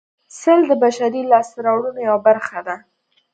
سل د بشري لاسته راوړنو یوه برخه ده